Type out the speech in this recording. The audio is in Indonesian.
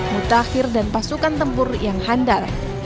mutakhir dan pasukan tempur yang handal